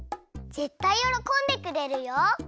ぜったいよろこんでくれるよ！